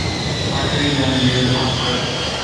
ھڪڙي لائن ٻه دفع پڙھ